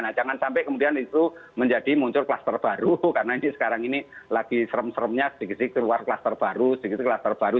nah jangan sampai kemudian itu menjadi muncul klaster baru karena ini sekarang ini lagi serem seremnya sedikit sedikit keluar kluster baru sedikit klaster baru